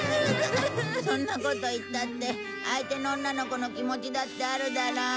そんなこと言ったって相手の女の子の気持ちだってあるだろう。